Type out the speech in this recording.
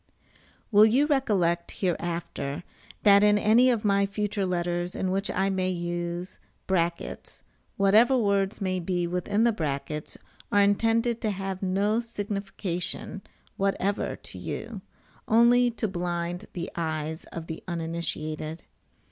Will you recollect, hereafter, that in any of my future letters, in which I may use [] whatever words may be within the brackets are intended to have no signification whatever to you, only to blind the eyes of the uninitiated.